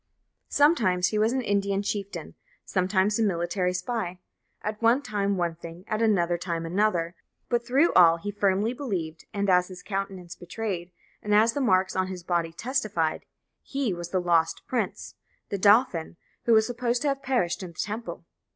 Sometimes he was an Indian chieftain, sometimes a military spy; at one time one thing, at another time another; but through all, as he firmly believed, and as his countenance betrayed, and as the marks on his body testified, he was "the Lost Prince," the dauphin who was supposed to have perished in the Temple.